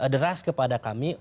deras kepada kami